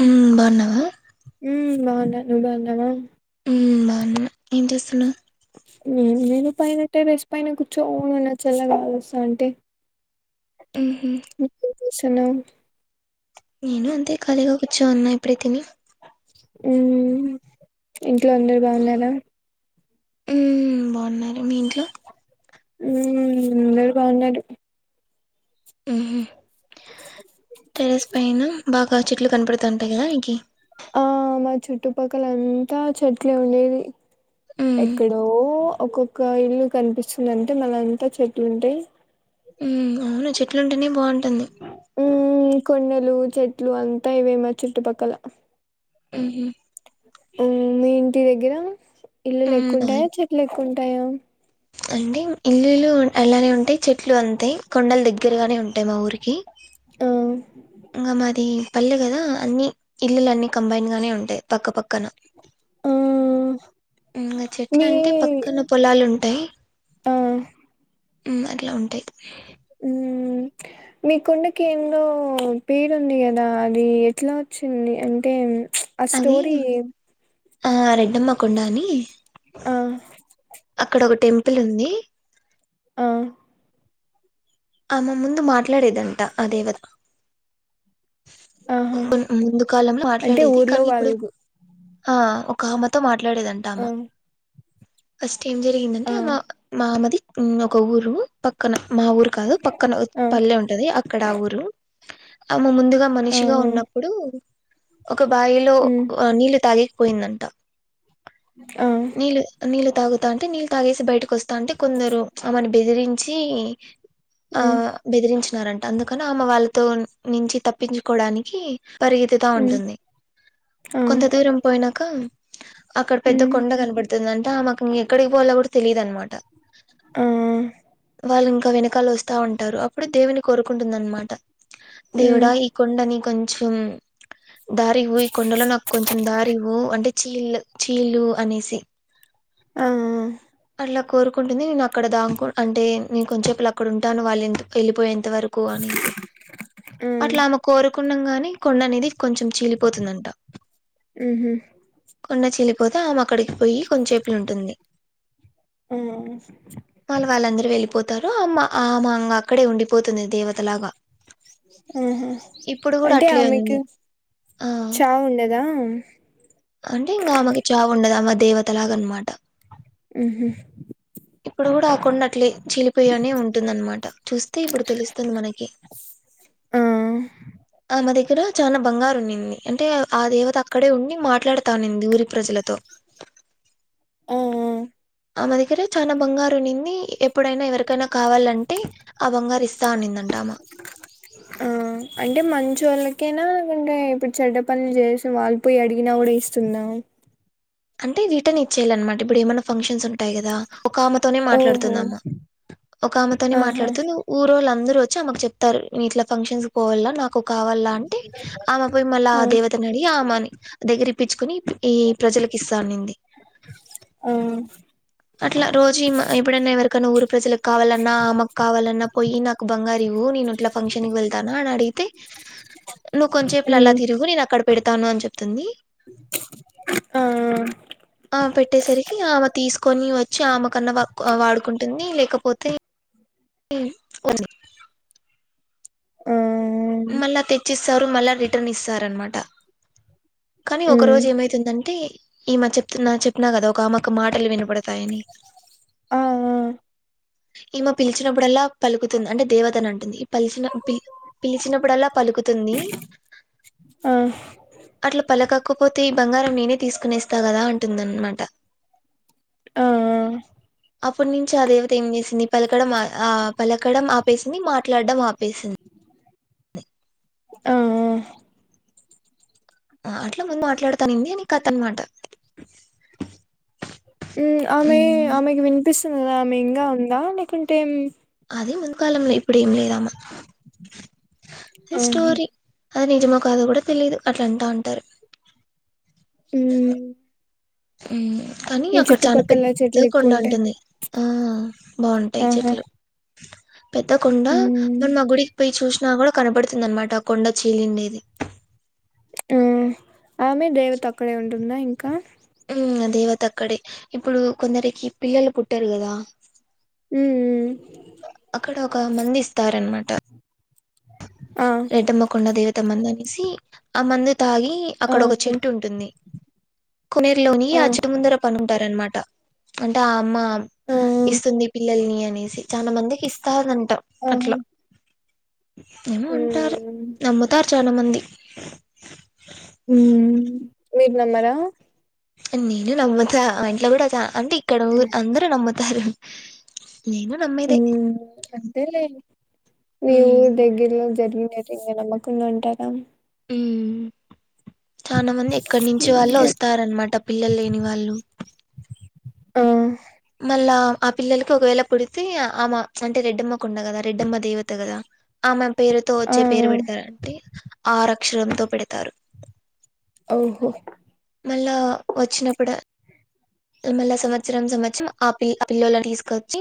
హ్మ్ బాన్నవ హ్మ్ బాన్న నువ్ బాన్నావ హ్మ్ బావున్నా ఏం చేస్తున్నావ్ నేను పైన టెరెస్ పైన కూర్చోవాలా చల్ల గాలి వస్తాంటే ఊహ్మ్ వుసునమ్ నేను అంతే ఖాళీగ కూర్చోన్నా ఇప్పుడే తిని హ్మ్ ఇంట్లో అందరు బాన్నార హ్మ్ బన్నారు మీ ఇంట్లో హ్మ్ అందరు బాన్నరు ఊహ్మ్ టెరెస్ పైన బాగ చెట్లు కనపడ తంటయీ నికి ఆ మా చుట్టుపక్కల అంతా చెట్లే ఉండేది మ్మ్ ఎక్కడో ఒకొ ఒక ఇల్లు కనిపిస్తుందింటే మన అంతా చెట్లు ఉంటాయి మ్ అవును చెట్లుంటేనే బాగుంటుంది మ్ కొండలు చెట్లు అంతా ఇవే మా చుట్టుపక్కల మ్ హ మీ ఇంటి దగ్గర ఇల్లు మ్మ్ బాయ్ ఎక్కువుంటాయా చెట్లు ఎక్కువుంటాయా కుంటాయా అంటే ఇల్లులు అలానే ఉంటాయి చెట్లు ఇట్లు అంతాయి కొండలు దగ్గరగానే ఉంటాయి మా ఊరికి ఆ ఇంకా మాది పల్లె కదా అన్ని ఇల్లులు అన్ని కంబైన్డ్ గానే ఉంటాయి పక్క పక్కన ఆ ఇంకా చెట్ల మీ అంటే పక్కన పొలాలు ఉంటాయి ఆ అట్లా ఉంటాయి మ్ మీ కొండకి ఎందో పేరు ఉంది కదా అది ఎట్లా వచ్చింది అంటే ఆ అవి స్టోరి ఆ రెడ్డమ్మ కొండాని ఆ టెంపుల్ ఉంది ఆ ఆమ ముందు మాట్లాడేదంట ఆ దేవత ఆహా ముందు కాలంలో అంటే మాట్లాడేది ఊర్లో కానీ ఇప్పుడు వాళ్ళు గు ఆ ఒక అమ తో మాట్ ట్లాడేదంట ఆ ఆమ ఓస్ ఏం జరిగిందంటే ఆ ఆమ మామది ఒక ఊరు పక్కన మా ఊ పక్కన ఆ పల్లె ఉంటది అక్కడ ఊరు ఆమె ముందుగా ఆ మనిషిగా ఉన్నప్పుడు ఒక బాయిలో మ్మ్ నీళ్లు తాగి పోయిందంట ఆ నీలు నీలు తాగుతాంటే నీళ్ తాగేసి బయటకు ఓస్ తాంటే కొందరు ఆమని బెదిరిం చి ఆ మ్మ్ బెదిరిం న్నారంట అందుకని ఆమె వాళ్ళతో నించి తప్పించుకోడానికి పరిగతితా మ్మ్ ఉంటుంది ఆ కొంత దూరం పోయినాక అక్కడ పెద్ద మ్మ్ కొండ గనబడు తుందంటే ఆ మాకు ఇం ఎక్కడికి బోవాలో గూడా తెలియదనమాట ఆ వాల్ ఇంగ్ నువ్ వెనకాల వొస్ తా ఉంటారు అప్పుడు దేవిని కోరుకుంటుందనమాట దేవుడా మ్మ్ ఈ కొండని కొం చుం దారి వొయ్ కొండల నాకు కొంచెం దారివ్వు అంటే చీలు చీలు అనేసి ఆ ఇలా కోరుకుంటుంది నేను అక్కడ దాంకు అంటే నే కొంచెపులు అక్కడ ఉం టను వాళ్లు ఎళ్ళిపోయిన్ ఇంత వరకు అనేసి మ్మ్ అట్లా ఆమె కోరు కుండం గాని కొండ అనేది కొంచెం చీలిపోతుందంట మ్మ్ హు కొండ చీల్లిపోతె ఆమ అక్కడి పోయి కొంచేపులు ఉంటుంది ఆ వాళ్ళ వాళ్ళందరు వెళ్ళిపోత్ తరు అమ ఆమా అంగక్కడే ఉండి ఆహా ఇప్పుడు కూడా అంటే అట్లే ఆమెకు ఉంది ఆ చావుండదా. అంటే ఇంగ ఆమెకు చావు ఉండదు అమ్మ దేవత లాగ అనమాట ఊహ్మ్ ఇప్పుడు గూడా ఆ కొండట్లే. చిలిపయానే ఉంటుందన్నమాట చూస్తే ఇప్పుడు తెలుస్తుంది మన ఆ ఆ మరి ఇక్కడ చాలా బంగారు ఉన్నింది అంటే ఆ దేవత అక్కడే ఉండి మాట్లాడతానింది ఊరి ప్రజలతో ఆ ఆ మా దగ్గర చాలా బంగారు నింది ఎప్పుడైనా ఎవరికైనా కావాలంటే ఆ బంగారి ఇస్తా అనిందంట అమ ఆ అంటే మంచోళ్ళకేనా లేకుంటే ఇప్పుడు చెడ్డ పనులు చేసి వాళ్ళి పోయి అడిగినా కూడా ఇస్తుందా అంటే రిటర్న్ ఇచ్చేయాల అన్నమాట ఇప్పుడు ఏమైన్నా ఫంక్షన్స్ ఉంటాయి కదా ఒక ఆమెతోనే ఓహో మాట్లాడుతుంద అమ్మ ఒక ఆమెతోనే ఆహా మాట్లాడుతుంది ఊరోోలా అందరు వచ్చి ఆమకు చెప్తారు నీట్లా ఫంక్షన్స్ పోవ నాకు ఒక కావాల అంటే ఆమె పోయి మళ్ళా ఆ దేవతని అడి ఆ అమని ఆ దగ్గర ప్పించుకుని ఈ ప్రజలకు కసాది ఆ అట్లా రోజు ఎప్పుడైనా ఎవరికైనా ఊరు అట్లా అట్లారోజు ఇమె ఎప్పుడైనా ఎవరికైనా ఊరు ప్రజలలకు కావాలన్నా ఆమెకు కావాలన్నా పోయి నాకు బంగారు ఇవ్వు నేను అట్లా ఫంక్షన్కిి వెళ్తానా అని అడిగితే నువ్ కొంచంేపులలా ఉమ్ తిరుగు నేను అక్కడ పెడతానుని చెప్పి [inaudible] ఆ కొన్ని వచ్చు ఆమె కన్నాక వాడుకుంటుంది ఇ లేకపోతే ఉంది ఆ మల్ల తెచ్చి స్ సరు మళ్ళా రిటర్న్ ఇస్తారనమాట కానీ ఒక ఉమ్ రోజు ఏమైతుందంటే. ఈమ చెప్తున చెప్పిన కదా ఒక ఆమెకు మాటలు వినపడతాయని. ఆ. ఈమ పిలిచినప్పుడల్లా పలుకుతుంది అంటే దేవతను అంటుంది ఈ పలిచిన పిల్ పిలిచినప్పుడల్లా పలుకుతుంది ఆ అట్లా పలకక్కపోతే ఈ బంగారం నేనే తీసుకునేస్తా కదా అంటుందనమాట ఆ అ అప్పటి నుంచి ఆ దేవత ఏం చేసింది పలకడం ఆ పలకడం ఆపేసింది మాట్లాడడం ఆపేసింది ఆహ్ ఆ అట్లా ముందు మాట్లాడతానుంది నీ కథ అనమాట ఉ ఆమె ఆమెకి వినిపిస్త్ ఉ ఆమె ఇంగా ఉందా లేకుంటే ఉ అదే మున్కాలంలో ఇప్పుడ ఏం లేదమె ఆహా అది నిజమా కాదు కూడా తెలియదు అట్ల అంటా ఉంటారు ఉ ఉ కానీ అక్కడ చాల పెద్ద చెట్లు కొండ ఎక్కువ ఉంటాయి ఉంటుంది. ఆ. బాగుంటాయి ఆహా చెట్లు. [inaudible] పెద్ద కొండా ఉమ్ మనం ఆ గుడికి పోయి చూస్. నా కూడా కనపడుతుంది అనమాట కొండ చీలిండేది. ఉ ఆమె దేవత అక్కడే ఉంటుందా ఇంకా ఉ ఆ దేవత అక్కడే ఇప్పుడు కొందరికి పిల్లలు పుట్టరు కదా ఉ ఉ అక్కడ ఒక మందు ఇస్తారన్మాట. ఆ రెడ్డమ్మ కొండ దేవత మందని సి ఆ మందత్ తాగి అక్కడ ఒక ఆ చెట్టు ఉంటుంది కొనేరులోని ఆ చిలముందర పనుంటారనమా ట అంటే ఆ అమ్మ మ ఇస్తుంది పిల్లల్ని అనేసి చాలా మందికి ఇస్తాదంట అట్ల ఆహా ఏమో అన్ టారు నమ్ముతారు. చానమంది హు మీరు నమ్మరా నేను నమ్ముతా ఇంట్లో కూడా చా అంటె ఇక్కడ ఊ అందరు నమ్ము తారు ఊ అంతేలె మేము ఉమ్ దెగ్గరలో జరిగిన [inaudible] నమ్మకుండా ఉంటార ఉమ్ చాన మంది ఎక్కడి నుంచి వాళ్ళో వస్తారన్నమాట పిల్లలు లేని వాళ్ళు ఆ మళ్ళా ఆ పిల్లలకి ఒకవేళ పుడితే ఆమె అంటే రెడ్డమ్మకొండ కదా రెడ్డమ్మ దేవత కదా ఆమ పేరుతొ ఆ వచ్చే పేరు పెడతారంటె ఆర అక్షరంతో పెడతారు ఓహో మళ్ళా వచ్చినప్పుడ తు మళ్ళ సంవత్సరం సంవత్సరం ఆ పిల్ ఆ పిల్లోల తీసుకొచ్చి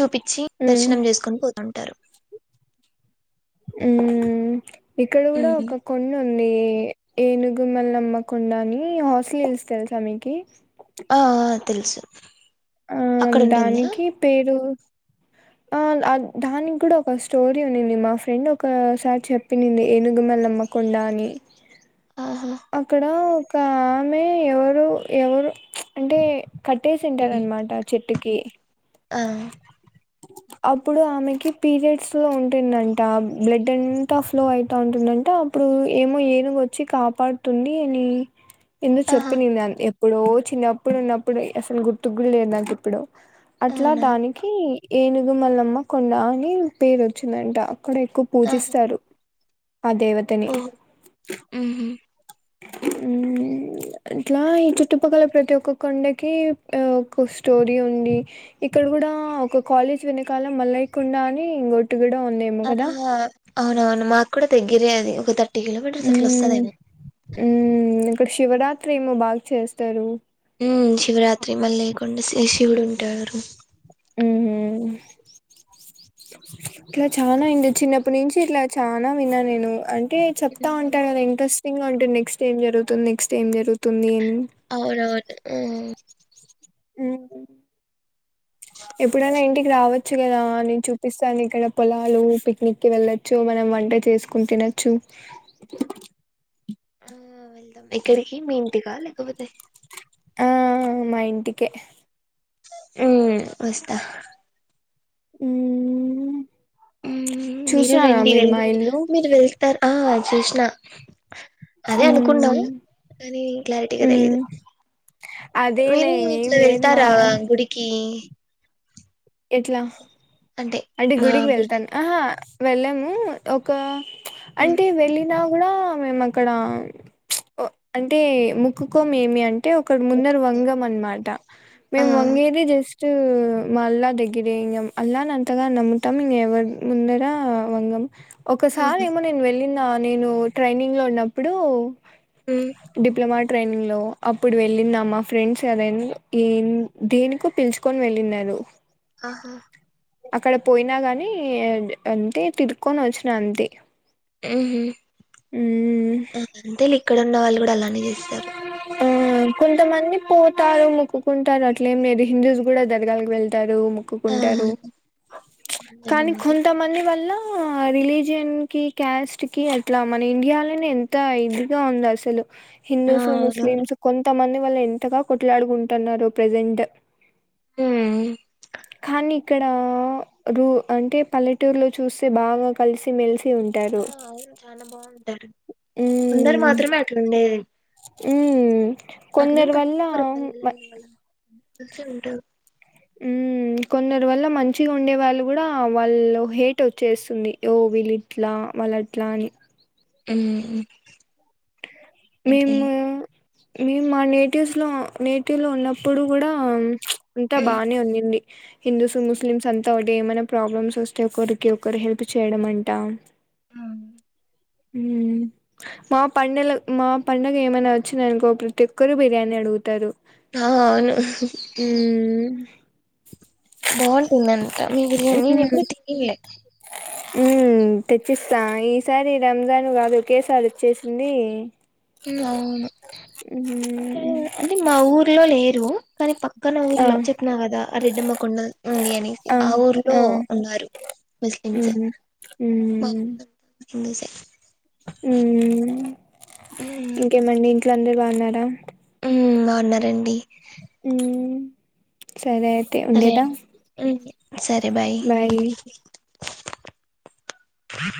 చూపిచ్చి మ్మ్ దర్శనం చేసుకొని పోతంటారు మ్మ్ ఇక్కడ కూడా ఒక కొండ ఉంది ది ఏనుగు మల్లమ్మ కొండ అని హర్ష్లి హిల్స్ తెలుస మీకి ఆ ఆ తెలుసు ఆ అక్కడ ఉంటుందా దానికి పేరు ఆ ఆ దానికి కూడా ఒక స్టోరీ ఉన్నింది మా ఫ్రెండ్ ఒకసారి చెప్పినింది ఏనుగు మల్లమ్మ కొండ అని ఆహా అక్కడ కామె ఎవరు ఎవరు అంటే కట్టేసింటారనమాట చెట్టుకి అ అప్పుడు ఆమెకి పీరియడ్స్ ఉంటుందంట బ్లడ్ అంతా ఫ్లో అయిత ఉంటుందంట అప్పుడు ఏమో ఏనుగు వచ్చి కాపాడుతుంది అని ఏందో ఆహా చెప్పినింది అన్ ఏ ఎప్పుడో చిన్నప్పుడు ఉన్నప్పుడు అసలు గుర్తుకు లేదు నాకు ఇప్పుడు అట్లా అవునా దానికి ఏనుగు మళ్లమ్మ కొండ అని పేరు వచ్చిందంట అక్కడ ఎక్కువ ఆహా పూజిస్తారు ఆ దేవతని ఓహో ఉహు ఊ ఇట్లా ఈ చుట్టుపక్కల ప్రతి ఒక్క కొండకి ఒక స్టోరీ ఉంది ఇక్కడ కూడా ఒక కాలేజ్ వెనకాల మల్లయ్య కొండ అని ఇంగోటి ఆ అవునవును మాకు కూడా తెగ గిరే అది ఒక త ఉ ఉ కృస్ శివరాత్రి ఏమో బాగా చేస్తారు ఉ శివరాత్రి మళ్ళీ లేయకుండా శ శివుడు ఉంటారు ఉ హు ఇట్లా చానా ఇంగ చిన్నప్పటి నుంచి ఇట్లా చానా విన్నా నేను అన్ టే చెప్తా ఉంటారు కదా ఇంట్రస్టింగ్ ఉంటంది నెక్స్ట్ ఏం జరుగుతుంది నెక్స్ట్ జరుగుతుంది అని అవునవును ఉ ఎప్పుడైనా ఇంటికి రావచ్చు కదా నేను చూపిస్తాను ఇక్కడ పొలాలు పిక్నిక్కిి వెళ్లొచ్చు మనం వంట చేసుకుని తినొచ్చు కా లేకపోతే ఆ మా ఇంటికే ఉ వస్తా ఉ మీరు రండి వెద మీరు ఇల్లు మీరు వేస్తారు ఆ జుష్ణ అదే అనుకున్నా మ్మ్ కాని క్లారిటీగా మ్మ్ తెలీయదు అదేలే మీరు ఇట్ల ఇంగేం లేదు మా వెళ్తారా గుడికి ఎట్ల అంటే మా గుడికి గురి వెళ్తాం ఆహ వెళ్ళము ఒకా ప్చ్ హ్మ్ అంటే వెళ్ళి కూడా మేము అక్కడ ప్చ్ అంటే ముక్కుకోం ఏమి అంటే టే ఒక ముక్ ముందర వంగం అనమాట ఆ మేం వంగేది జెస్ మల్ళ దగ్గి! ! ! ! ! ! ! ! ! అల్ నంత కొత్తగా నమ్ముతాం ఇంక ఎవరి ముందరా వంగం ఒకసారి ఆహా ఏమో నేను వెళ్ళి నేను ట్రైనింగ్ లో ఉన్నప్పుడు హ్మ్ డిప్లమాట్ ట్రైనింగ్ లో అప్పుడు వెళ్ళినా మా ఫ్రెండ్స్ ఏదైనా ఏ దేనికో పిలుచుకొని వెళ్ళినారు ఆహా అక్కడ పోయినా గాని అంతే తిరుకొని వచ్చినా అంతే మ్ మ్మ్ అంతేలె ఇక్కడ న్నళ్ళు కూడా అలానే చేస్తారు ఆ కొంతమంది పోతారు మొక్కుకుంటారు అట్లేం లేదు హిందూస్ కూడా దరగాలకి వెళ్తారు ఆ మొక్కుకుంటారు కొందరు కానీ నమ్ముతారు. కొంత మంది వల్ల రిలీజియన్ కి క్యాస్ట్ కి అట్లా మన ఇండియాలోనే ఎంత ఇదిగా ఉంది అసలు ఆ హిందూస్ అవును ముస్లిమ్స్ కొంత మంది వాళ్ళ ఎంతగా కొట్లాడుకుంటున్నారు ప్రజెంట్ హ్మ్ ఖాని ఇక్కడా రూ అంటే పల్లెటూరులో చూస్తే బాగా కలిసి మెలిసి ఆ ఉంటారు అవును చాలా బాగుంటారు కొందరు మాత్రమే అట్ల ఉండేది హ్మ్ అట్లెం పట్టించుకోరు పల్లెలల్లో వాళ్లు కలిసే ఉంటరు మ్మ్ కొందరు వల్ల మంచిగా ఉండే వాళ్ళు కూడా వాళ్ళు హేట్ వచ్చేస్తుంది, ఓ వీళ్ళు ఇట్లా వాళ్ళు అట్లా అని. హ్మ్ మ్ మేము మేము మా నేటివ్స్ లో, నేటివ్ లో ఉన్నప్పుడు కూడా అంతా బాగానే ఉన్నింది హిందూస్ ముస్లిమ్స్ అంతా రోడ్ ఏమైనా ప్రాబ్లమ్స్ వస్తే ఒకరికి ఒకరు హెల్ప్ చేయడం అంటా. అవును మా పండగల మా పండగ ఏమైనా వచ్చింద అనుకో ప్రతి ఒక్కరు బిర్యానీ అడుగుతారు. ఆ అవును ఉమ్ బాగుంటు నను క మీ బిర్యాని నేను ఎపుడు తినిండ్లే. ఉ తెచ్చిస్తా ఈసారి రంజాన్ కాదు ఒకేసారి వచ్చేసింది అవును ఇంకా ఉమ్ అంటే మా ఊర్లో లేరు. కానీ పక్కన ఆ ఊర్లో చెప్పిన కదా రెడ్డమ్మ కొండ ఉంది. అని ఆ ఊర్లో ఆ ఉన్నారు ముస్లిమ్స్ ఉమ్ మా ఊ ఇందుజ ఉ ఇంకేమండి ఇంట్లో అందరు బాగున్నారా ఊ బావున్నారండి ఉ [inaudible] సరే అయితే సరే ఉండేదా. అండి ఉమ్ సరే బాయ్ [unintelligible]